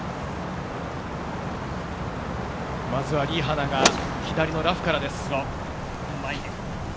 まずはリ・ハナが左のラフからです。